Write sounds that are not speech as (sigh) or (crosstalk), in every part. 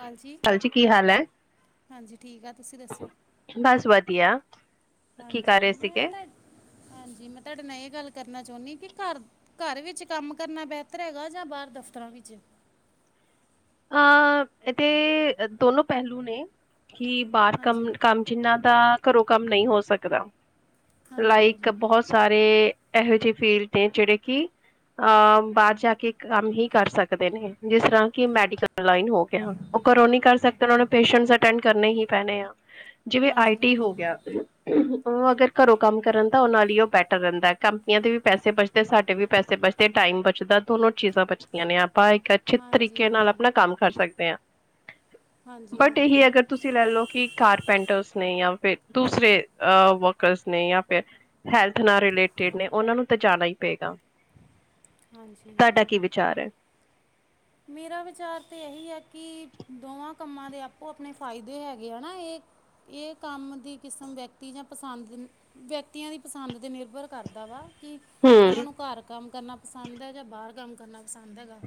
ਹਾਂਜੀ, ਹਾਲ ਜੀ ਕੀ ਹਾਲ ਹੈ ਹਾਂਜੀ ਠੀਕ ਆ ਤੁਸੀਂ ਦੱਸੋ। ਬਸ ਵਧੀਆ ਕੀ ਹਾਂਜੀ ਕਰ ਰਹੇ ਮੈਂ ਸੀਗੇ ਤਾ, ਹਾਂਜੀ ਮੈਂ ਤੁਆਡੇ ਨਾਲ ਏਹ ਗੱਲ ਕਰਨਾ ਚੋਨੀਆਂ ਕਿ ਘਰ ਘਰ ਵਿੱਚ ਕੰਮ ਕਰਨਾ ਬੇਹਤਰ ਹੈਗਾ ਜਾਂ ਬਾਰ ਦਫ਼ਤਰਾਂ ਵਿੱਚ? ਅ ਏਹਦੇ ਦੋਨੋ ਪੈਹਲੂ ਨੇ ਕਿ ਬਾਰ ਕੰਮ ਹਾਂਜੀ ਕੰਮ ਜਿੰਨਾਂ ਦਾ ਘਰੋਂ ਕੰਮ ਨਈ ਹੋ ਸਕਦਾ, ਹਾਂਜੀ ਲਾਇਕ ਹਾਂਜੀ ਬਹੋਤ ਸਾਰੇ ਐਹੋ ਜੇ ਫੀਲਡ ਨੇ ਜੇੜੇ ਕਿ ਅ ਬਾਰ ਜਾ ਕੇ ਇਕ ਕੰਮ ਹੀ ਕਰ ਸਕਦੇ ਨੇ ਜਿਸ ਤਰਾਂ ਕਿ ਮੈਡੀ ਕਲ ਲਾਈਨ ਹੋ ਗਿਆ, ਓ ਘਰੋਂ ਨੀ ਕਰ ਸਕਦੇ ਓਨਾ ਨੂੰ ਪੇਸ਼ੈਂਟਸ ਅਟੈਂਡ ਕਰਨੇ ਹੀ ਪੈਣੇ ਆ। ਜਿਵੇਂ ਹਾਂਜੀ ਹਾਂਜੀ ਆਈਟੀ ਹੋ ਹਾਂਜੀ ਗਿਆ ਓ ਅਗਰ ਘਰੋਂ ਕੰਮ ਕਰਨ ਤਾਂ ਓਨਾਂ ਲਈ ਓ ਬੈਟਰ ਰਹਿੰਦਾ ਕੰਪਨੀਆਂ ਦੇ ਵੀ ਪੈਸੇ ਬਚਦੇ ਤੇ ਸਾਡੇ ਵੀ ਪੈਸੇ ਬਚਦੇ, ਟਾਈਮ ਬਚਦਾ ਦੋਨੋ ਚੀਜ਼ਾਂ ਬਚਦੀਆਂ ਨੇ ਆਪਾਂ ਇੱਕ ਅੱਛੇ ਹਾਂਜੀ ਤਰੀਕੇ ਨਾਲ ਆਪਣਾ ਕੰਮ ਕਰ ਸਕਦੇ ਆਂ, ਹਾਂਜੀ ਬਟ ਏਹੀ ਹਾਂਜੀ ਅਗਰ ਤੁਸੀ ਤੁਸੀਂ ਲੈ ਲਓ ਕਿ ਕਾਰਪੈਂਟਰਸ ਨੇ ਯਾਂ ਫੇਰ ਦੂਸਰੇ ਅ ਵਕਰਸ ਨੇ ਯਾਂ ਫੇਰ ਹੈਲਥ ਨਾਲ ਰਿਲੇਟਿਡ ਨੇ ਓਨਾਂ ਨੂੰ ਤੇ ਜਾਣਾ ਈ ਪਏਗਾ। ਹਾਂਜੀ ਤਾਡਾ ਕੀ ਵਿਚਾਰ ਐ? ਮੇਰਾ ਵਿਚਾਰ ਤੇ ਏਹੀ ਐ ਕਿ, ਦੋਵਾਂ ਕੰਮਾਂ ਦੇ ਆਪੋ-ਆਪਣੇ ਫਾਇਦੇ ਹੈਗੇ ਆ ਨਾ ਏਹ ਏਹ ਕੰਮ ਦੀ ਕਿਸਮ ਵਿਅਕਤੀ ਜਾਂ ਪਸੰਦ ਵਿਅਕਤੀਆਂ ਦੀ ਪਸੰਦ ਤੇ ਨਿਰਭਰ ਕਰਦਾ ਵਾ ਕੀ ਹਮ ਓਨਾਂ ਨੂੰ ਘਰ ਕੰਮ ਕਰਨਾ ਪਸੰਦ ਐ ਜਾਂ ਬਾਰ ਕੰਮ ਕਰਨਾ ਪਸੰਦ ਹੈਗਾ।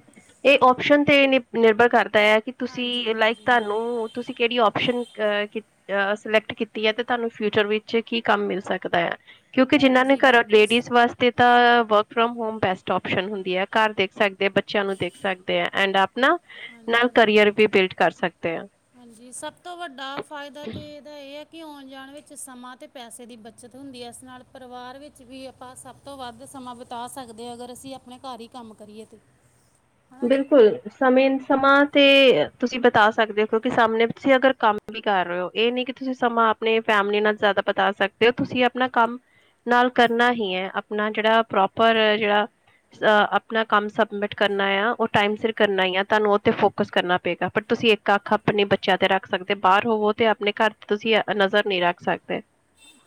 ਏ ਓਪਸ਼ਨ ਤੇ ਨ ਨਿਰਭਰ ਕਰਦਾ ਆ, ਕਿ ਹਾਂਜੀ ਤੁਸੀਂ ਲਾਈਕ ਹਾਂਜੀ ਤਾਨੂੰ ਤੁਸੀਂ ਕੇੜੀ ਓਪਸ਼ਨ ਅ ਅ ਸਿਲੈਕਟ ਕੀਤੀ ਏ ਤੇ ਤੁਆਨੂੰ ਫਿਊਚਰ ਵਿੱਚ ਕੀ ਕੰਮ ਮਿਲ ਸਕਦੈ। ਕਿਉਂਕਿ ਜਿਨਾਂ ਨੇ ਹਾਂਜੀ ਘਰ ਬਿਲਕੁਲ ਸ- ਲੇਡੀਜ਼ ਵਾਸਤੇ ਤਾਂ work from home best option ਹੁੰਦੀ ਐ ਘਰ ਦੇਖ ਸਕਦੇ ਦੇ ਬੱਚੇਆਂ ਨੂੰ ਦੇਖ ਸਕਦੇ ਆ ਐਂਡ ਆਪਣਾ ਨਾਲ ਹਾਂਜੀ ਕਰੀਅਰ ਵੀ ਬਿਲਡ ਕਰ ਸਕਦੇ ਆ। ਹਾਂਜੀ, ਸਭ ਤੋਂ ਵੱਡਾ ਫਾਏਦਾ ਤੇ ਏਦਾ ਏਹ ਆ ਕਿ ਆਉਨ-ਜਾਨ ਵਿੱਚ ਸਮਾਂ ਅਤੇ ਪੈਸੇ ਦੀ ਬੱਚਤ ਹੁੰਦੀ ਐ, ਇਸ ਨਾਲ ਪਰਿਵਾਰ ਵਿੱਚ ਵੀ ਆਪਾਂ ਸਪ ਸਬ ਤੋਂ ਵੱਦ ਸਮਾਂ ਬਿਤਾ ਸਕਦੇ ਆਂ, ਅਗਰ ਅਸੀਂ ਆਪਨੇ ਘਰ ਈ ਕੰਮ ਕਰੀਏ 'ਤੇ। ਹਨਾ ਜੀ ਬਿਲਕੁਲ, ਸਮੇਂ- ਸਮਾਂ 'ਤੇ ਤੁਸੀਂ ਬਿਤਾ ਸਕਦੇ ਓ, ਕਿਉਂਕਿ ਸਾਮਣੇ ਤੁਸੀਂ ਅਗਰ ਕੰਮ ਵੀ ਕਰ ਰਏ ਓ, ਏਅ ਨੀ ਕਿ ਤੁਸੀਂ ਸਮਾਂ ਆਪਨੇ ਫੈਮਲੀ ਨਾਲ ਜਾਦਾ ਬਤਾ ਸਕਦੇ ਓ, ਤੁਸੀਂ ਆਪਨਾ ਕੰਮ ਨਾਲ ਕਰਨਾ ਹੀ ਐ ਆਪਨਾ ਜੇੜਾ ਪ੍ਰੋਪਰ ਜੇੜਾ ਅ ਅਪਨਾ ਕੰਮ ਸਬਮਿਟ ਕਰ ਨ੍ਹਾਇਆ ਓ ਟਾਈਮ ਸਿਰ ਕਰਨਾ ਈ ਆ, ਤੁਆਨੂੰ ਓ ਤੇ ਫੋਕਸ ਕਰਨਾ ਪੇਗਾ, ਪਰ ਤੁਸੀਂ ਇੱਕ ਅੱਖ ਆਪਨੇ ਬੱਚੇ ਬੱਚੇਆਂ 'ਤੇ ਰੱਖ ਸਕਦੇ, ਬਾਰ ਹੋਵੋ 'ਤੇ ਆਪਨੇ ਘਰ 'ਤੇ ਤੁਸੀਂ ਅ ਨਜ਼ਰ ਨੀ ਰੱਖ ਸਕਦੇ।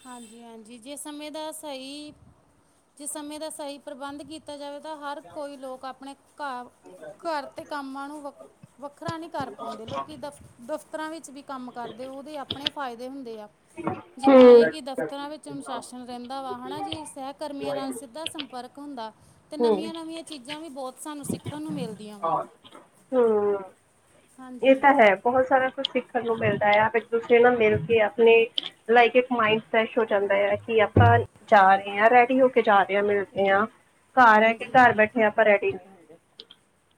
ਹਾਂਜੀ-ਹਾਂਜੀ, ਜੇ ਸਮੇਂ ਦਾ ਸਹੀ ਜੇ ਸਮੇਂ ਦਾ ਸਹੀ ਪ੍ਰਬੰਧ ਕੀਤਾ ਜਾਵੇ ਤਾਂ ਹਰ ਕੋਈ ਲੋਕ ਆਪਨੇ ਘਾਰ ਘਰ 'ਤੇ ਕੰਮਾਂ ਨੂੰ ਵਖ- ਵੱਖਰਾ ਨੀ ਕਰ ਪਾਉਂਦੇ ਲੋਕੀ ਦਫ ਦਫਤਰਾਂ ਵਿੱਚ ਵੀ ਕੰਮ ਕਰਦੇ ਓਦੇ ਆਪਨੇ ਫਾਇਦੇ ਹੁੰਦੇ ਆ। ਜਿੱਦਾਂ ਇਹ ਕਿ ਹੂੰ। ਦਫ਼ਤਰਾਂ ਵਿੱਚ ਅਨੁਸ਼ਾਸਨ ਰੈਂਦਾ ਵਾ, ਹੈ ਨਾ ਜੀ? ਸਹਿ ਕਰਮੀਆਂ ਨਾਲ ਸਿੱਧਾ ਸੰਪਰਕ ਹੁੰਦਾ। 'ਤੇ ਹੂੰ ਨਵੀਆਂ-ਨਵੀਆਂ ਚੀਜ਼ਾਂ ਵੀ ਬੋਤ ਸਾਨੂੰ ਸਿੱਖਨ ਨੂੰ ਮਿਲਦੀਆਂ। ਵਾ ਆਹ, ਓ। ਏਅ ਹਾਂਜੀ ਤਾਂ ਹੈ, ਬੋਤ ਸਾਰਾ ਕੁਛ ਸਿੱਖਨ ਨੂੰ ਮਿਲਦਾ ਐ ਆਪ ਇੱਕ -ਦੂਸਰੇ ਨਾਲ ਮਿਲ ਕੇ ਆਪਨੇ ਲਾਈਕ ਇੱਕ ਮਾਈੰਡ ਫਰੈਸ਼ ਹੋ ਜਾਂਦਾ ਐ ਕਿ ਆਪਾਂ ਜਾ ਰੇ ਆ, ਰੈਡੀ ਹੋ ਕੇ ਜਾ ਰੇ ਆ, ਮਿਲਦੇ ਆ। ਘਰ ਹੈ ਕੇ ਹਾਂਜੀ ਘਰ ਬੈਠੇ ਆਪਾਂ ਰੈਡੀ,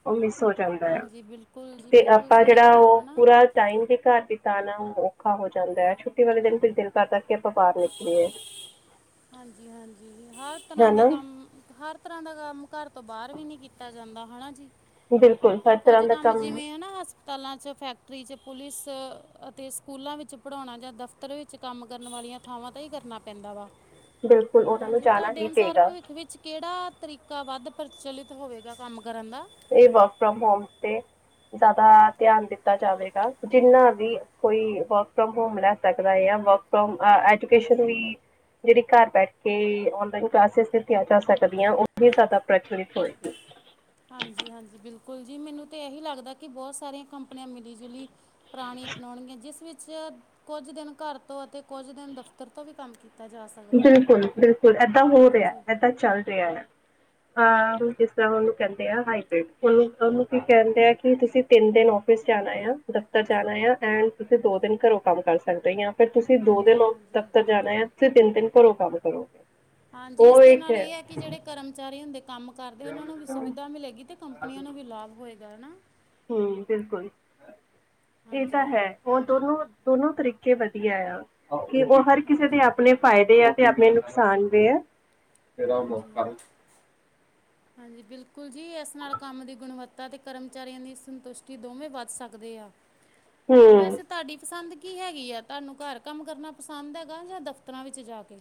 ਆਉਨੇ (unintelligible) ਹਾਂਜੀ, ਬਿਲਕੁਲ ਜੀ। ਬਿਲਕੁਲ ਸਹੀ ਜਿਹੜਾ ਕੇਹਾ, ਉਹ ਹੈਨਾ? ਪੂਰਾ ਟਾਈਮ ਦੇ ਘਰ ਦੀ ਤਾਂ ਨਾ, ਔਖਾ ਹੋ ਜਾਂਦੈ, ਛੁੱਟੀ ਵਾਲੇ ਦਿਨ ਫਿਰ ਦਿਲ ਕਰਦਾ ਕੇ ਆਪਾਂ ਬਾਰ ਨਿਕਲੀਏ। ਹਾਂਜੀ-ਹਾਂਜੀ, ਹਰ ਤਰ੍ਹਾਂ ਦਾ ਹਨਾ ਕੰਮ, ਹਰ ਇਸ ਤਰ੍ਹਾਂ ਦਾ ਕੰਮ ਘਰ ਤੋਂ ਬਾਰ ਵੀ ਨੀ ਕੀਤਾ ਜਾਂਦਾ, ਹਨਾ ਜੀ? ਜੀ ਬਿਲਕੁਲ। ਹਰ ਤਰ੍ਹਾਂ ਕੁੱਝ ਦਾ ਕੰਮ ਜਿਵੇਂ ਓਨਾ ਆਸ ਤਲਾਂ 'ਚ, ਫੈਕਟਰੀ 'ਚ, ਪੁਲਿਸ ਅਤੇ ਸਕੂਲਾਂ ਵਿੱਚ ਪੜ੍ਹਾਉਣਾ ਜਾਂ ਦਫ਼ਤਰ ਵਿੱਚ। ਵਿੱਚ ਕੰਮ ਕਰਨ ਵਾਲੀਆਂ ਥਾਵਾਂ 'ਤੇ ਈ ਕਰਨਾ ਪੈਂਦਾ ਵਾ, ਬਿਲਕੁਲ ਹੈ ਉਹਨਾਂ ਨਾ ਨੂੰ ਜੀ? ਜਾਣਾ ਤੁਹਾਡੇ ਹੀ ਅਨੁਸਾਰ ਪਏਗਾ ਭਵਿੱਖ ਵਿੱਚ ਕੇੜਾ ਤਰੀਕਾ ਵੱਦ ਪ੍ਰਚਲਿਤ ਹੋਵੇਗਾ ਕੰਮ ਕਰਨ ਦਾ? ਏਅ ਵਰਕ ਫਰੋਮ ਹੋਮ 'ਤੇ ਜਾਦਾ ਧਿਆਨ ਦਿੱਤਾ ਜਾਵੇਗਾ, ਜਿੰਨਾ ਵੀ ਕੋਈ ਵਰਕ ਫਰੋਮ ਹੋਮ ਲੈ ਸਕਦਾ, ਯਾ ਵਰਕ ਫਰੋਮ ਐਜੂਕੇਸ਼ਨ ਵੀ ਜੇੜੀ ਘਰ ਬੈਠ ਕੇ ਔਨਲਾਈਨ ਕਲਾਸਿਸ ਦਿੱਤੀਆਂ ਜਾ ਸਕਦੀਆਂ, ਉਹ ਵੀ ਜਾਦਾ ਪ੍ਰਚਲਿਤ ਹੋਏਗੀ। ਹਾਂਜੀ- ਹਾਂਜੀ, ਬਿਲਕੁਲ ਜੀ, ਮੈਨੂੰ ਤਾਂ ਐਹੀ ਲੱਗਦਾ ਕਿ ਬੋਤ ਸਾਰੀਆਂ ਕੰਪਨੀਆਂ ਮਿਲੀ-ਜੁਲੀ ਪੁਰਾਣੀ ਅਪਨਾਉਨਗੀਆਂ, ਜਿਸ ਵਿੱਚ ਕੁੱਝ ਦਿਨ ਘਰ ਤੋਂ ਅਤੇ ਕੁੱਝ ਦਿਨ ਦਫ਼ਤਰ ਤੋਂ ਵੀ ਕੰਮ ਕੀਤਾ ਜਾ, ਸ ਬਿਲਕੁਲ -ਬਿਲਕੁਲ, ਏਦਾਂ ਹੋ ਰੇਐ, ਏਦਾਂ ਚੱਲ ਰੇਐ। ਹਾਂ, ਜਿਸ ਤਰ੍ਹਾਂ ਉਨੂੰ ਕੈਂਦੇ ਆ ਹਾਈਬ੍ਰਿਡ, ਉਨੂੰ -ਉਨੂੰ ਕੀ ਕੈਂਦੇ ਆ ਕਿ ਤੁਸੀਂ ਤਿੰਨ ਦਿਨ ਔਫਿਸ ਜਾ ਰੇ ਆ, ਦਫ਼ਤਰ ਜਾ ਰੇ ਆ, ਐਂਡ ਤੁਸੀਂ ਦੋ ਦਿਨ ਘਰੋਂ ਕੰਮ ਕਰ ਸਕਦੇ ਆ। ਫਿਰ ਤੁਸੀਂ ਦੋ- ਤਿੰਨ ਹਾਂਜੀ ਲੋਗ ਹਾਂਜੀ ਦਫ਼ਤਰ ਜਾ ਰੇ ਐ, ਤੁਸੀਂ ਤਿੰਨ ਤਿੰਨ ਘਰੋਂ ਕੰਮ ਕਰੋਗੇ। ਹਾਂਜੀ, ਉਹ ਇਸਦੇ ਇੱਕ ਨਾਲ ਏਅ ਹੈ ਕਿ ਜੇੜੇ ਕਰਮਚਾਰੀ ਹੁੰਦੇ ਕੰਮ ਘਰਦੇ ਉਨਾਂ ਨੂੰ ਵੀ ਸੁਵਿਧਾ ਮਿਲੇਗੀ 'ਤੇ ਕੰਪਨੀਆਂ ਨੂੰ ਵੀ ਲਾਭ ਹੋਏਗਾ, ਹੈਨਾ? ਹੂੰ, ਬਿਲਕੁਲ, ਏਅ ਤਾਂ ਹਾਂਜੀ ਹੈ। ਉਹ ਦੋਨੋ-ਦੋਨੋ ਤਰੀਕੇ ਵਦੀਐ ਆ, ਕੇ ਉਹ ਹਰ ਕਿਸੇ ਦੇ ਹਾਂਜੀ ਆਪਨੇ ਫਾਇਦੇ ਆ ਤੇ ਆਪਨੇ ਨੁਕਸਾਨ ਵੀ ਆ, ਫਿਰ ਆਪ ਉਹ ਹਾਂਜੀ ਹਾਂਜੀ, ਬਿਲਕੁਲ ਜੀ, ਇਸ ਨਾਲ ਕੰਮ ਦੀ ਗੁਣਵੱਤਾ ਅਤੇ ਕਰਮਚਾਰੀਆਂ ਦੀ ਸੰਤੁਸ਼ਟੀ ਦੋਵੇਂ ਵੱਧ ਸਕਦੇ ਆ। ਹੂੰ ਵੈਸੇ ਤੁਹਾਡੀ ਪਸੰਦ ਕੀ ਹੈਗੀ ਆ, ਤੁਹਾਨੂੰ ਘਰ ਕੰਮ ਕਰਨਾ ਪਸੰਦ ਹੈਗਾ ਜਾਂ ਦਫ਼ਤਰਾਂ ਵਿੱਚ ਜਾ ਕੇ?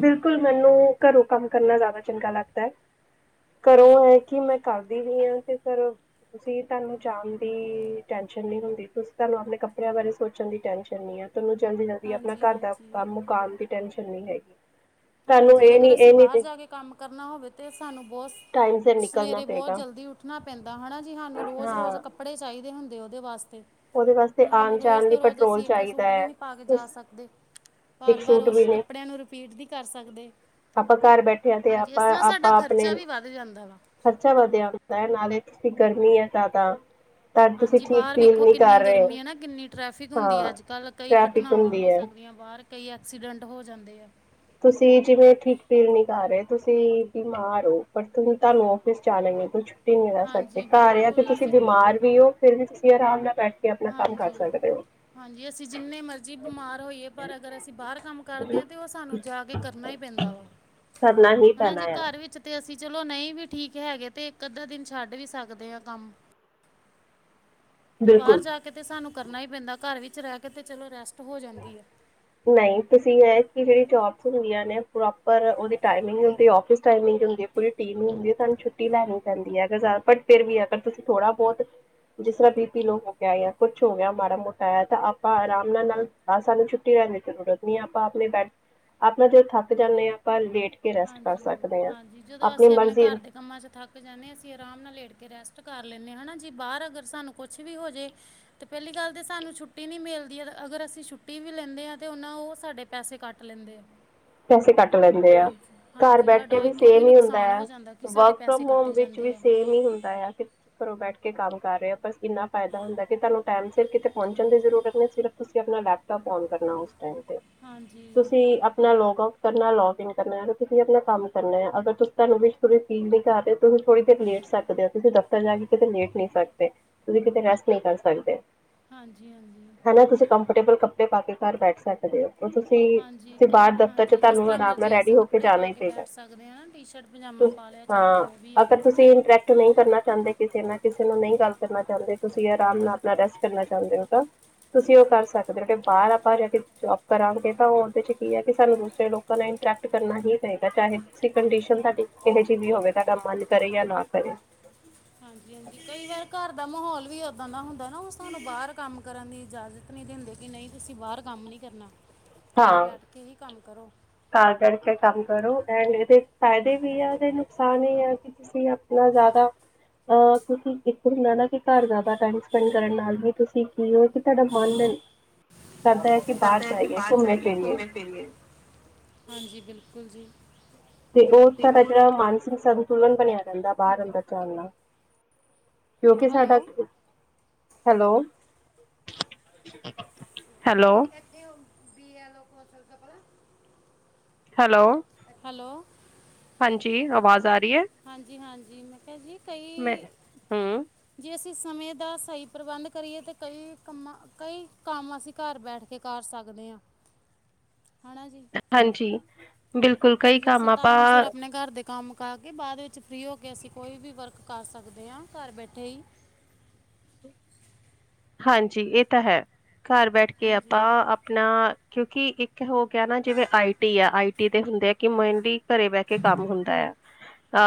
ਬਿਲਕੁਲ ਮੈਨੂੰ ਘਰੋਂ ਕੰਮ ਕਰਨਾ ਜ਼ਿਆਦਾ ਚੰਗਾ ਲੱਗਦਾ ਐ। ਹਾਂਜੀ ਘਰੋਂ ਐ ਕਿ ਮੈਂ ਕਰਦੀ ਨਈ ਆ ਤੇ ਘਰੋਂ ਤੁਸੀਂ ਤੁਹਾਨੂੰ ਜਾਣ ਦੀ ਟੈਸ਼ਨ ਨਹੀਂ ਹੁੰਦੀ, ਤੁਸੀਂ ਤੁਹਾਨੂੰ ਆਪਣੇ ਕੱਪੜਿਆਂ ਬਾਰੇ ਸੋਚਣ ਦੀ ਟੈਸ਼ਨ ਨਹੀਂ ਐ। ਤਾਨੂੰ ਜਲਦੀ ਜਲਦੀ ਆਪਣਾ ਹਾਂਜੀ ਘਰ ਦਾ ਹਾਂਜੀ ਕੰਮ ਮੁਕਾਨ ਦੀ ਟੈਨਸ਼ਨ ਨਹੀਂ ਹੈਗੀ। ਤੁਹਾਨੂੰ ਹਾਂਜੀ ਇਹ ਅਗਰ ਨਹੀਂ ਅਸੀਂ ਇਹ ਬਾਹਰ ਨਹੀਂ ਜਾ ਕੇ ਕੰਮ ਕਰਨਾ ਹੋਵੇ ਤਾਂ ਸਾਨੂੰ ਬਹੁਤ ਟਾਈਮ ਸਿਰ ਨਿਕਲਣਾ ਸਵੇਰੇ ਬਹੁਤ ਪਏਗਾ ਜਲਦੀ ਉੱਠਣਾ ਪੈਂਦਾ ਹਨਾ ਜੀ, ਹਾਨੂੰ ਰੋਜ਼ ਰੋਜ਼ ਹਾਂ ਕੱ ਕੱਪੜੇ ਚਾਹੀਦੇ ਹੁੰਦੇ ਉਹਦੇ ਵਾਸਤੇ। ਉਹਦੇ ਵਾਸਤੇ ਕਿ ਹਾਨੂੰ ਆਣ ਰੋਜ਼ ਜਾਣ ਲਈ ਤੋਂ ਰੋਜ਼ ਪੈਟਰੋਲ ਅਸੀਂ ਇੱਕ ਚਾਹੀਦਾ ਸੂਟ ਵੀ ਹੈ ਨਹੀਂ ਪਾ ਕੇ ਜਾ ਸਕਦੇ। ਬਾਰ ਇੱਕ ਬਾਰ ਸੂਟ ਵੀ ਉਸ ਨੇ ਕੱਪੜਿਆਂ ਨੂੰ ਰਿਪੀਟ ਨੀ ਕਰ ਸਕਦੇ। ਆਪਾਂ ਘਰ ਬੈਠਿਆਂ ਤੇ ਹਾਂਜੀ, ਇਸ ਆਪਾਂ ਨਾਲ ਸਾਡਾ ਆਪਾਂ ਖ਼ਰਚਾ ਆਪਣੇ ਵੀ ਵੱਧ ਜਾਂਦਾ ਵਾ। ਖਰਚਾ ਵਧੀਆ ਹੁੰਦਾ ਐ, ਨਾਲੇੇ ਕਿਤਨੀ ਗਰਮੀ ਐ ਜ਼ਿਆਦਾ। ਤਾਂ ਤੁਸੀਂ ਹਾਂਜੀ ਠੀਕ ਬਾਹਰ ਫੀਲ ਵੇਖੋ ਨਹੀਂ ਕਿੰਨੀ ਕਰ ਰਹੇ ਗਰਮੀ ਐ ਨਾ, ਕਿੰਨੀ ਟਰੈਫਿਕ ਹੁੰਦੀ ਐ, ਹਾਂ ਅੱਜ-ਕੱਲ ਕਈ ਟ੍ਰੈਫਿਕ ਘਟਨਾਵਾਂ ਹੁੰਦੀ ਹੋ ਹੈ ਸਕਦੀਆਂ। ਬਾਹਰ ਕਈ ਐਕਸੀਡੈਂਟ ਹੋ ਜਾਂਦੇ ਆ। ਤੁਸੀਂ ਜਿਵੇਂ ਠੀਕ ਫੀਲ ਨੀ ਕਰ ਰਹੇ, ਤੁਸੀਂ ਬਿਮਾਰ ਹੋ, ਪਰ ਤੁ ਤੁਹਾਨੂੰ ਓਫਿਸ ਜਾਣਾ ਈ ਏ ਕੁਛ ਰਹਿ ਸਕਦੇ ਹਾਂਜੀ ਘਰ ਆ ਕਿ ਬਿਲਕੁਲ ਤੁਸੀਂ ਅਸੀਂ ਬਿਮਾਰ ਵੀ ਓ, ਫਿਰ ਵੀ ਤੁਸੀਂ ਆਰਾਮ ਨਾਲ ਬੈਠ ਕੇ ਆਪਣਾ ਕੰਮ ਕਰ ਹਾਂਜੀ ਸਕਦੇ ਓ। ਹਾਂਜੀ, ਅਸੀਂ ਜਿੰਨੇ ਮਰਜ਼ੀ ਬਿਮਾਰ ਹੋਈਏ ਪਰ ਅਗਰ ਅਸੀਂ ਬਾਹਰ ਕੰਮ ਕਰਦੇ ਆ ਤਾਂ ਉਹ ਸਾਨੂੰ ਜਾ ਕੇ ਕਰਨਾ ਹੀ ਪੈਂਦਾ ਵਾ, ਕਰਨਾ ਹੀ ਹਨਾ ਪੈਣਾ ਜੀ ਆ ਘਰ ਵਿੱਚ ਤੇ ਅਸੀਂ ਚਲੋ ਨਹੀਂ ਵੀ ਠੀਕ ਹੈਗੇ ਤੇ ਇੱਕ ਅੱਧਾ ਦਿਨ ਛੱਡ ਵੀ ਸਕਦੇ ਹਾਂ ਕੰਮ। ਤੇ ਬਾਹਰ ਬਿਲਕੁਲ ਜਾ ਕੇ ਤਾਂ ਸਾਨੂੰ ਕਰਨਾ ਹੀ ਪੈਂਦਾ, ਘਰ ਵਿੱਚ ਰਹਿ ਕੇ ਤੇ ਚਲੋ ਰੈਸਟ ਹੋ ਜਾਂਦੀ ਐ। ਨਈ ਤੁਸੀਂ ਐ ਕਿ ਜਿਹੜੀ ਜੋਬਸ ਹੁੰਦੀਆਂ ਨੇ ਪ੍ਰੋਪਰ ਉਹਦੀ ਟਾਈਮਿੰਗ ਹੁੰਦੀ ਆ, ਔਫਿਸ ਟਾਈਮਿੰਗ ਹੁੰਦੀ ਐ ਪੂਰੀ ਟੀਮ ਹੁੰਦੀ ਐ ਤੁਹਾਨੂੰ ਛੁੱਟੀ ਲੈਣੀ ਪੈਂਦੀ ਐ, ਅਗਰ ਪਰ ਫਿਰ ਵੀ ਅਗਰ ਤੁਸੀਂ ਥੋੜਾ ਬਹੁਤ ਜਿਸ ਤਰ੍ਹਾਂ ਵੀ ਬੀਪੀ ਲੋਅ ਹੋ ਗਿਆ ਜਾਂ ਕੁਛ ਹੋ ਗਿਆ ਮਾੜਾ ਮੋਟਾ ਆ ਤਾਂ ਆਪਾਂ ਆਰਾਮ ਨਾਲ ਨਾਲ ਹਾਂ ਸਾਨੂੰ ਛੁੱਟੀ ਲੈਣ ਦੀ ਕੋਈ ਜ਼ਰੂਰਤ ਨਹੀਂ ਐ, ਆਪਾਂ ਆਪਣੇ ਬੈ ਆਪਾਂ ਜਦੋਂ ਥੱਕ ਜਾਂਦੇ ਐ ਆਪਾਂ ਲੇਟ ਕੇ ਰੈਸਟ ਕਰ ਹਾਂਜੀ ਸਕਦੇ ਹਾਂ ਹਾਂਜੀ, ਜਦੋਂ ਆਪਣੀ ਅਸੀਂ ਆਪਣੇ ਮਰਜ਼ੀ ਘਰ ਦੇ ਕੰਮਾਂ ਚ ਥੱਕ ਥੱਕ ਜਾਣੇ ਆ, ਅਸੀਂ ਆਰਾਮ ਨਾਲ ਲੇਟ ਕੇ ਰੈਸਟ ਕਰ ਲੈਣੇ ਆ, ਹਨਾ ਜੀ ਬਾਹਰ ਅਗਰ ਸਾਨੂੰ ਕੁਛ ਵੀ ਹੋ ਜੇ ਤੇ ਪਹਿਲੀ ਗੱਲ ਤੇ ਸਾਨੂੰ ਛੁੱਟੀ ਨੀ ਮਿਲਦੀ, ਅਗਰ ਅਸੀਂ ਛੁੱਟੀ ਵੀ ਲੈਂਦੇ ਆ ਤੇ ਉਹਨਾ ਉਹ ਸਾਡੇ ਪੈਸੇ ਕੱਟ ਲੈਂਦੇ ਆ। ਪੈਸੇ ਕੱਟ ਲੈਂਦੇ ਆ, ਹਾਂਜੀ ਘਰ ਹਾਂਜੀ ਬੈਠ ਸਾਡਾ ਕੇ ਉਹ ਵੀ ਇੱਕ ਉਹ ਸੇਮ ਹੀ ਹੁੰਦਾ ਨੁਕਸਾਨ ਐ, ਹੋ ਜਾਂਦਾ ਕਿ ਸਾਡੇ ਵਰਕ ਪੈਸੇ ਫਰੋਮ ਹੋਮ ਕੱਟੇ ਵਿੱਚ ਜਾਂਦੇ ਵੀ ਆ ਸੇਮ ਹੀ ਹੁੰਦਾ ਐ। ਘਰੋਂ ਬੈਠ ਕੇ ਕੰਮ ਕਰ ਰਹੇ ਹੋ ਬਸ ਏਨਾ ਫਾਇਦਾ ਹੁੰਦਾ ਕਿ ਤੁਹਾਨੂੰ ਟਾਈਮ ਸਿਰ ਕਿਤੇ ਪਹੁੰਚਣ ਦੀ ਜ਼ਰੂਰਤ ਨਹੀਂ ਸਿਰਫ਼ ਤੁਸੀਂ ਆਪਣਾ ਲੈਪ ਟੋਪ ਔਨ ਕਰਨਾ ਉਸ ਟੈਮ ਤੇ, ਹਾਂਜੀ ਤੁਸੀਂ ਆਪ ਆਪਣਾ ਲੌਗ ਆਊਟ ਕਰਨਾ, ਲੌਗ ਇਨ ਕਰਨਾ, ਤੁਸੀਂ ਆਪਣਾ ਕੰਮ ਕਰਨਾ ਆ, ਅਗਰ ਤੁਸੀਂ ਤੁਹਾਨੂੰ ਵੀ ਫੀਲ ਨਹੀਂ ਕਰ ਰਹੇ ਤੁਸੀਂ ਥੋੜੀ ਦੇਰ ਲੇਟ ਸਕਦੇ ਓ, ਤੁਸੀਂ ਦਫ਼ਤਰ ਜਾ ਕੇਤੇ ਲੇਟ ਨਹੀਂ ਸਕਦੇ, ਤੁਸੀ ਕਿਤੇ ਰੈਸਟ ਨਹੀਂ ਕਰ ਸਕਦੇ। ਹਾਂਜੀ ਹਾਂਜੀ। ਨਾ ਤੁਸੀਂ ਕੰਫਰਟੇਬਲ ਕੱਪੜੇ ਪਾ ਕੇ ਘਰ ਬੈਠ ਸਕਦੇ ਓ ਔਰ ਤੁਸੀਂ ਹਾਂਜੀ ਤੁਸੀਂ ਬਾਹਰ ਘਰ ਦਫ਼ਤਰ ਚ ਹਾਂਜੀ ਜਿਸ ਤੁਹਾਨੂੰ ਤਰ੍ਹਾਂ ਆਰਾਮ ਨਾਲ ਮਰਜ਼ੀ ਰੈਡੀ ਅਸੀਂ ਹੋ ਕੇ ਕੱਪੜੇ ਜਾਣਾ ਪਾ ਹੀ ਪਏਗਾ, ਬੈਠ ਸਕਦੇ ਆ ਨਾ ਟੀ-ਸ਼ਰਟ ਪਜਾਮਾ ਪਾ ਲਿਆ ਚਾਹੇ ਹਾਂ ਜੋ ਵੀ ਆ ਅਗਰ ਤੁਸੀਂ ਤੁਸੀਂ ਇੰਟਰੈਕਟ ਨਹੀਂ ਕਰਨਾ ਚਾਹੁੰਦੇ ਕਿਸੇ ਨਾਲ, ਕਿਸੇ ਨੂੰ ਨਹੀਂ ਗੱਲ ਕਰਨਾ ਚਾਹੁੰਦੇ, ਤੁਸੀਂ ਆਰਾਮ ਨਾਲ ਰੈਸਟ ਕਰਨਾ ਚਾਹੁੰਦੇ ਹੋ ਤਾਂ ਤੁਸੀਂ ਉਹ ਕਰ ਸਕਦੇ ਹੋ ਕਿ ਬਾਹਰ ਆਪਾਂ ਜਾ ਕੇ ਜੋਬ ਕਰਾਂਗੇ ਤਾਂ ਉਹ ਉਹਦੇ ਚ ਕੀ ਐ ਕਿ ਸਾਨੂੰ ਦੂਸਰੇ ਲੋਕਾਂ ਨਾਲ ਇੰਟਰੈਕਟ ਕਰਨਾ ਹੀ ਪਏਗਾ, ਚਾਹੇ ਤੁਸੀਂ ਕੰਡੀਸ਼ਨ ਤੁਹਾਡੀ ਕਿਹੋ ਜਿਹੀ ਵੀ ਹੋਵੇ, ਤੁਹਾਡਾ ਮੰਨ ਕਰੇ ਜਾਂ ਨਾ ਕਰੇ। ਹਾਂਜੀ ਹਾਂਜੀ, ਕਈ ਵਾਰ ਘਰ ਦਾ ਮਾਹੌਲ ਵੀ ਓਦਾਂ ਦਾ ਹੁੰਦਾ ਨਾ ਉਹ ਸਾਨੂੰ ਬਾਹਰ ਕੰਮ ਕਰਨ ਦੀ ਇਜਾਜ਼ਤ ਨਹੀਂ ਦਿੰਦੇ ਕਿ ਨਈਂ ਤੁਸੀਂ ਬਾਹਰ ਕੰਮ ਨਹੀਂ ਕਰਨਾ, ਘਰ ਬੈਠ ਕੇ ਹੀ ਕੰਮ ਕਰੋ। ਘਰ ਚੜ ਕੇ ਕੰਮ ਕਰੋ ਐਂਡ ਏਦੇ ਫੈਦੇ ਵੀ ਆ ਏਦੇ ਨੁਕਸਾਨ ਵੀ ਆ ਕੇ ਤੁਸੀਂ ਆਪਨਾ ਜਾਦਾ ਅਹ ਕਿਓਂਕਿ ਇੱਕੋ ਹੁੰਦਾ ਨਾ ਕੀ ਘਰ ਜਾਦਾ ਟਾਈਮ ਸਪੈਂਡ ਕਰਨ ਨਾਲ ਵੀ ਤੁਸੀਂ ਕੀ ਓ ਸਾਡਾ ਮਨ ਦਿਨ ਕਰਦਾ ਕਿ ਬਾਹਰ ਕਰਦਾ ਐ ਕੀ ਜਾਈਏ ਬਾਰ ਜਾਈਏ ਘੁੰਮੇ ਫਿਰੀਏ, ਹਾਂਜੀ ਬਿਲਕੁਲ ਜੀ। ਤੇ ਓ ਤਾਡਾ ਜੇੜਾ ਮਾਨਸਿਕ ਸੰਤੁਲਨ ਬਨੇਆ ਰੈਂਦਾ ਬਾਰ ਅੰਦਰ ਜਾਨ ਨਾਲ। ਕ- ਕਿਓਂਕਿ ਸਾਡਾ, ਹੈਲੋ ਹੈਲੋ ਹੈਲੋ ਵੀ ਆ ਲੋਕ ਅਸਲ ਕਪੜਾ ਹੈਲੋ, ਹੈਲੋ, ਹਾਂਜੀ ਆਵਾਜ਼ ਆਰੀ ਐ। ਹਾਂਜੀ-ਹਾਂਜੀ ਮੈਂ ਕਿਆ ਜੀ ਕਈ ਹਮ ਜੇ ਅਸੀਂ ਸਮੇਂ ਦਾ ਸਈ ਪ੍ਰਬੰਧ ਕਰੀਏ ਤਾਂ ਕਈ ਕੰਮਾਂ ਕਈ ਕੰਮ ਅਸੀਂ ਘਰ ਬੈਠ ਕੇ ਕਰ ਸਕਦੇ ਆਂ, ਹਨਾ ਜੀ। ਹਾਂਜੀ ਬਿਲਕੁਲ ਕਈ ਜੇ ਕੰਮ ਅਸੀਂ ਆਪਾਂ ਟਾਈਮ ਸਿਰ ਆਪਣੇ ਘਰ ਦੇ ਕੰਮ ਕਰਕੇ ਬਾਦ ਵਿੱਚ ਫਰੀ ਹੋ ਕੇ ਅਸੀਂ ਕੋਈ ਵੀ ਵਰਕ ਕਰ ਸਕਦੇ ਆਂ ਘਰ ਬੈਠੇ ਈ। ਹਾਂਜੀ ਏ ਤਾਂ ਹੈ, ਘਰ ਬੈਠ ਕੇ ਆਪਾਂ ਹਾਂਜੀ ਆਪਨਾ ਕਿਓਂਕਿ ਇੱ ਕ ਹੋ ਗੇਆ ਨਾ ਜਿਵੇਂ ਆਈ ਟੀ ਆ ਆਈ ਟੀ ਦੇ ਹੁੰਦੇ ਆ ਕੇ ਮੇਨਲੀ ਘਰੇ ਬੈ ਕੇ ਕੰਮ ਹੁੰਦਾ ਆ,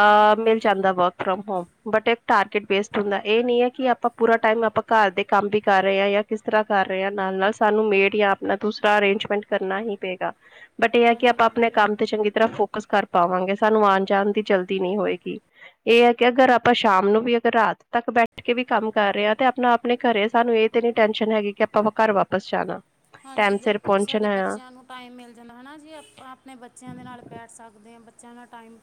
ਹਾਂਜੀ ਮਿਲ ਬਿਲਕੁਲ ਜਾਂਦਾ ਵਰਕ ਫਰੋਮ ਹੋਮ ਬਟ ਏਕ ਟਾਰਗੇਟ ਬੇਸਡ ਹੁੰਦਾ ਏ ਨੀ ਐ ਕੇ ਆਪਾਂ ਪੂਰਾ ਟਾਈਮ ਆਪਾਂ ਘਰ ਦੇ ਕੰਮ ਵੀ ਕਰ ਰਏ ਆ ਜਾਂ ਕਿਸ ਤਰਾਂ ਕਰ ਰਏ ਆਂ ਨਾਲ-ਨਾਲ ਸਾਨੂੰ ਮੇਡ ਜਾਂ ਆਪਨਾ ਦੂਸਰਾ ਅਰੇਂਜਮੈਂਟ ਕਰਨਾ ਈ ਪਏਗਾ। ਬਟ ਏ ਐ ਕੇ ਹਾਂਜੀ ਆਪਾਂ ਆਪਨੇ ਬਿਲਕੁਲ ਕੰਮ ਤੇ ਚੰਗੀ ਤਰਾਂ ਫੋਕਸ ਕਰ ਪਾਵਾਂਗੇ ਸਾਨੂੰ ਆਨ ਜਾਨ ਦੀ ਜਲਦੀ ਨੀ ਹੋਏਗੀ। ਏ ਐ ਕੇ ਅਗਰ ਆਪਾਂ ਸ਼ਾਮ ਨੂੰ ਵੀ ਅਗਰ ਰਾਤ ਤੱਕ ਬੈਠ ਕੇ ਵੀ ਕੰਮ ਕਰ ਰਏ ਆਂ ਤੇ ਆਪਨਾ ਆਪਨੇ ਘਰੇਂ ਸਾਨੂੰ ਏ ਤੇ ਨੀ ਟੈਸ਼ਨ ਹੈਗੀ ਕੇ ਆਪਾਂ ਘਰ ਵਾਪਸ ਜਾਨਾ। ਹਾਂਜੀ ਬਿਲਕੁਲ ਸਾਡੇ ਬੱਚੇਆਂ ਨੂੰ ਟਾਈਮ ਮਿਲ ਜਾਂਦਾ ਹਨਾ ਜੀ ਆਪਾਂ ਆਪਨੇ ਬੱਚੇਆਂ ਦੇ ਨਾਲ ਬੈਠ ਸਕਦੇ ਆਂ ਬੱਚੇਆਂ ਨਾਲ ਟਾਈਮ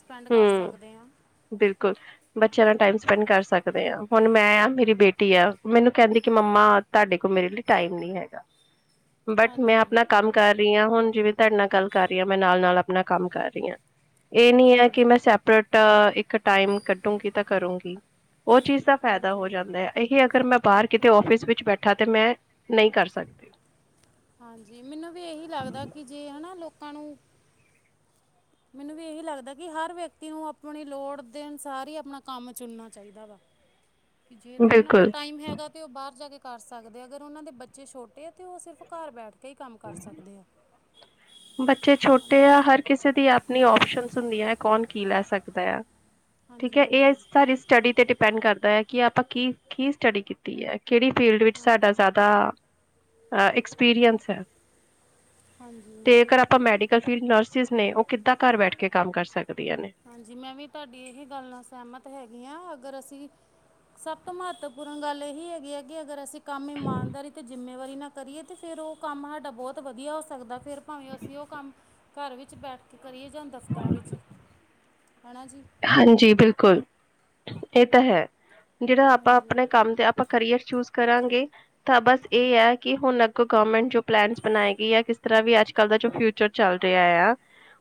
ਸਪੈਂਡ ਕਰ ਸਕਦੇ ਆਂ। ਬਿਲਕੁਲ ਬੱਚੇਆਂ ਨਾਲ ਟਾਈਮ ਸਪੈਂਡ ਕਰ ਸਕਦੇ ਆਂ, ਹੁਨ ਮੈਂ ਆ ਮੇਰੀ ਬੇਟੀ ਆ ਮੈਨੂੰ ਕੈਂਦੀ ਕੇ ਮੰਮਾ ਤਾਡੇ ਕੋਲ ਮੇਰੇ ਲਈ ਟਾਈਮ ਨੀ ਹੈਗਾ। (inaudible) ਬਟ ਮੈਂ ਹਾਂਜੀ ਆਪਨਾ ਕੰਮ ਕਰ ਰਈ ਆਂ ਹੁਨ ਜਿਵੇਂ ਤਾਡੇ ਨਾਲ ਗੱਲ ਕਰ ਰਈ ਆਂ ਮੈਂ ਨਾਲ-ਨਾਲ ਆਪਨਾ ਕੰਮ ਕਰ ਰਈ ਆਂ, ਏ ਨੀ ਹਾਂਜੀ ਐ ਕੇ ਹਾਂਜੀ ਮੈਂ ਸੈਪਰੇਟ ਇੱਕ ਟਾਈਮ ਕੱਢੂਗੀ ਤਾਂ ਕਰੂੰਗੀ। ਓ ਚੀਜ਼ ਦਾ ਫੈਦਾ ਹੋ ਹਾਂਜੀ ਜਾਂਦਾ ਏਹੀ ਅਗਰ ਮੈਂ ਬਾਰ ਬਿਲਕੁਲ ਕਿਤੇ ਔਫਿਸ ਬਿਲਕੁਲ ਵਿੱਚ ਬੈਠਾ ਤੇ ਮੈਂ ਨਈਂ ਕਰ ਸਕਦੀ। ਹਾਂਜੀ, ਮੈਨੂੰ ਵੀ ਏਹੀ ਲੱਗਦਾ ਕੇ ਜੇ ਹਨਾ ਲੋਕਾਂ ਨੂੰ ਮੈਨੂੰ ਵੀ ਏਹੀ ਲੱਗਦਾ ਕੀ ਹਰ ਵਿਅਕਤੀ ਨੂੰ ਆਪਨੀ ਲੋੜ ਦੇ ਅਨੁਸਾਰ ਈ ਆਪਨਾ ਕੰਮ ਚੁਨਨਾ ਚਾਈਦਾ ਵਾ। ਕੀ ਜੇ ਤੇ ਓਨਾ ਕੋਲ ਬਿਲਕੁਲ ਟਾਈਮ ਹੈਗਾ ਤੇ ਓ ਬਾਰ ਜਾ ਕੇ ਕਰ ਸਕਦੇ ਆ ਅਗਰ ਓਨਾਂ ਦੇ ਬੱਚੇ ਛੋਟੇ ਆ ਤੇ ਓ ਸਿਰਫ ਘਰ ਬੈਠ ਕੇ ਈ ਕੰਮ ਕਰ ਸਕਦੇ ਆ। ਬੱਚੇ ਹਨਾ। ਛੋਟੇ ਆ ਹਰ ਕਿਸੇ ਦੀ ਆਪਨੀ ਓਪਸ਼ਨਸ ਹੁੰਦੀ ਐ ਕੌਨ ਕੀ ਲੈ ਸਕਦੈ ਆ। ਠੀਕ ਹਾਂਜੀ ਐ ਹਾਂਜੀ ਏ ਬਿਲਕੁਲ ਤਾਡੀ ਸਟੱਡੀ ਤੇ ਡਿ ਡਿਪੈਂਡ ਕਰਦਾ ਐ ਕੀ ਆਪਾਂ ਕੀ-ਕੀ ਸਟੱਡੀ ਕੀਤੀ ਐ ਕੇੜੀ ਫੀਲਡ ਵਿੱਚ ਸਾਡਾ ਹਾਂਜੀ ਜਾਦਾ ਅ ਐਕਸਪੀਰੀਅੰਸ ਐ। ਹਾਂਜੀ ਤੇ ਕਰ ਆਪਾਂ ਮੈਡੀਕਲ ਫੀਲਡ ਨਰਸਿਸ ਨੇ, ਉਹ ਕਿੱਦਾਂ ਘਰ ਬੈਠ ਕੇ ਕੰਮ ਕਰ ਸਕਦੀਆਂ ਨੇ? ਹਾਂਜੀ, ਮੈਂ ਵੀ ਤੁਹਾਡੀ ਇਹੀ ਗੱਲ ਨਾਲ ਸਹਿਮਤ ਹੈਗੀ ਹਾਂ, ਅਗਰ ਅਸੀਂ ਸਭ ਤੋਂ ਮਹੱਤਵਪੂਰਨ ਗੱਲ ਇਹੀ ਹੈਗੀ ਹੈ ਕਿ ਅਗਰ ਅਸੀਂ ਕੰਮ ਇਮਾਨਦਾਰੀ ਅਤੇ ਜ਼ਿੰਮੇਵਾਰੀ ਨਾ ਕਰੀਏ ਤੇ ਫਿਰ ਉਹ ਕੰਮ ਹਾਡਾ ਬਹੁਤ ਵਧੀਆ ਹੋ ਸਕਦਾ। ਫਿਰ ਭਾਵੇਂ ਅਸੀਂ ਉਹ ਕੰਮ ਘਰ ਵਿੱਚ ਬੈਠ ਕੇ ਕਰੀਏ, ਜਾਂ ਦਫ਼ਤਰਾਂ ਵਿੱਚ। ਹੈਨਾ ਜੀ? ਹਾਂਜੀ ਬਿਲਕੁਲ, ਇਹ ਤਾਂ ਹੈ। ਜਿਹੜਾ ਆਪਾਂ ਹਾਂਜੀ ਆਪਣੇ ਕੰਮ ਤੇ ਆਪਾਂ ਕਰੀਅਰ ਚੂਜ ਕਰਾਂਗੇ, ਤਾਂ ਬਸ ਇਹ ਹੈ ਕਿ ਹੁਣ ਅਗੋਂ ਗੋਰਮਟ ਜੋ ਪਲੈਨਸ ਬਣਾਏਗੀ ਜਾਂ ਕਿਸ ਤਰ੍ਹਾਂ ਵੀ ਅਜ -ਕਲ ਦਾ ਜੋ ਫਿਊਚਰ ਚਲ ਰਿਆ ਆ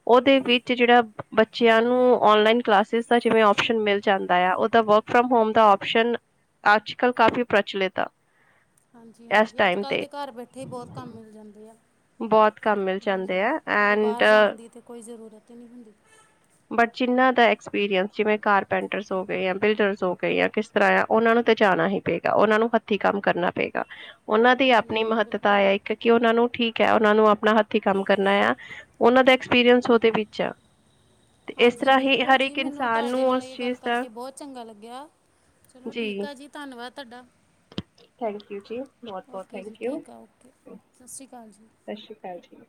ਉਹਦੇ ਵਿੱਚ ਜਿਹੜਾ ਬੱਚਿਆਂ ਨੂੰ ਔਨਲਾਇਨ ਕਲਾਸਿਸ ਦਾ ਜਿਵੇਂ ਓਪਸ਼ਨ ਮਿਲ ਜਾਂਦਾ ਆ, ਔਦਾ ਵਰਕ ਫਰੋਮ ਹੋਮ ਦਾ ਆਪਓਸ਼ਨ ਅੱਜ-ਕੱਲ ਕਾਫ਼ੀ ਪ੍ਰਚਲਿਤ ਆ। ਇਸ ਹਾਂਜੀ-ਹਾਂਜੀ, ਟਾਈਮ ਅੱਜ-ਕੱਲ੍ਹ ਤੇ ਘਰ ਬੈਠੇ ਹੀ ਬਹੁਤ ਕੰਮ ਮਿਲ ਜਾਂਦੇ ਆ। ਬਹੁਤ ਕੰਮ ਮਿਲ ਹਾਂਜੀ, ਜਾਂਦੇ ਆ ਘਰੋਂ ਐਂਡ ਬਾਹਰ ਜਾਣ ਦੀ ਤੇ ਕੋਈ ਜ਼ਰੂਰਤ ਹੀ ਨਹੀਂ ਹੁੰਦੀ। ਬਟ ਜਿਨ੍ਹਾਂ ਦਾ ਐਕਸਪੀਰੀਅੰਸ ਜਿਵੇਂ- ਕਾਰਪੈਂਟਰਸ ਹੋ ਗਏ ਜਾਂ ਬਿਲਡਰਸ ਹੋ ਗਏ ਜਾਂ ਕਿਸ ਆ ਉਹਨਾਂ ਨੂੰ ਤੇ ਜਾਣਾ ਹੀ ਪਏਗਾ, ਉਹਨਾਂ ਨੂੰ ਹੱਥੀਂ ਕੰਮ ਕਰਨਾ ਪਏਗਾ। ਉਨਾਂ ਦੀ ਹਾਂਜੀ ਆਪਣੀ ਹਾਂਜੀ ਮਹੱਤਤਾ ਬਿਲਕੁਲ ਐ ਕਿਉਂਕਿ ਓਨਾਂ ਨੂੰ ਠੀਕ ਐ ਓਨਾਂ ਨੂੰ ਆਪਣਾ ਹੱਥੀ ਕੰਮ ਕਰਨਾ ਆ, ਉਹਨਾਂ ਦਾ ਐਕਸਪੀਰੀਅੰਸ ਉਹਦੇ ਵਿੱਚ ਆ। ਤੇ ਇਸ ਹਾਂਜੀ ਤਰ੍ਹਾਂ ਹੀ ਬਿਲਕੁਲ ਹਰ ਜੀ, ਇੱਕ ਮੈਨੂੰ ਇਨਸਾਨ ਤੁਹਾਡੇ ਨੂੰ ਨਾਲ ਉਸ ਇਹ ਗੱਲ ਚੀਜ਼ ਦਾ ਕਰਕੇ ਬਹੁਤ ਚੰਗਾ ਲੱਗਿਆ। ਚਲੋ ਠੀਕ ਆ ਜੀ, ਧੰਨਵਾਦ ਤਾਡਾ। ਥੈਂਕਯੂ ਜੀ, ਬਹੁਤ-ਬਹੁਤ ਥੈਂਕਯੂ। ਸਸ ਸ਼੍ਰੀ ਅਕਾਲ ਜੀ। ਸਤਿ ਸ਼੍ਰੀ ਅਕਾਲ ਜੀ।